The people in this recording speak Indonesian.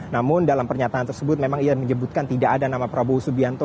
namun dalam pernyataan tersebut memang ia menyebutkan tidak ada nama prabowo subianto